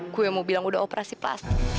gue yang mau bilang udah operasi plastik